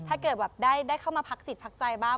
ถ้าเกิดได้เข้ามาพักสิทธิ์พักใจบ้าง